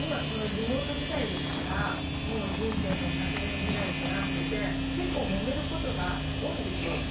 リモート時代ですから人生も１００年時代となっていて結構もめることが多いんですよ。